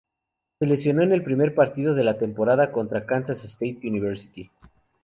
Se lesionó en el primer partido de la temporada contra Kansas State University.